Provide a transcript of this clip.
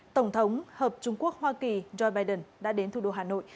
tổng thống hợp trung quốc hoa kỳ joe biden đã đến thủ đô hà nội